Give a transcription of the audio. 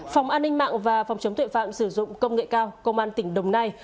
phòng an ninh mạng và phòng chống tuệ phạm sử dụng công nghệ cao công an tỉnh đồng nai